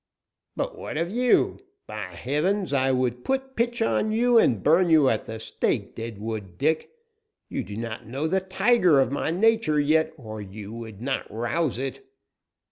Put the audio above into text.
"But, what of you? By heavens, I would put pitch on you and burn you at the stake, Deadwood Dick! You do not know the tiger of my nature yet, or you would not rouse it."